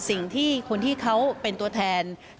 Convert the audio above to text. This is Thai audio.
สิ่งที่คนที่เขาเป็นตัวแทน